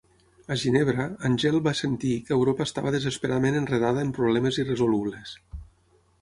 A Ginebra, Angell va sentir que Europa estava "desesperadament enredada en problemes irresolubles".